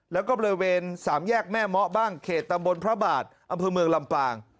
แล้วก็บริเวณสามแยกแม่เมาะบ้างเขตตำบลพระบาทอำเภอเมืองลำปาง